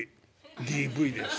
「ＤＶです。